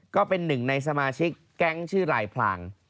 ก็เป็นหนึ่งในสมาชิกแก๊งชื่อลายพลาง